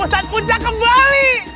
ustadz puncak kembali